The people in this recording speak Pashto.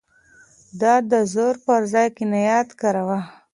ده د زور پر ځای قناعت کاراوه.